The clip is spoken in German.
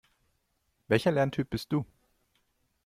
Welcher Lerntyp bist du?